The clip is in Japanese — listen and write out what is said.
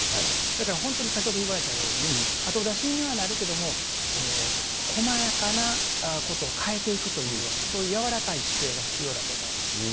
だから、本当に先ほどいわれたように、後出しにはなるけれども、細やかなことを変えていくというような、そういう柔らかい姿勢が必要だと思います。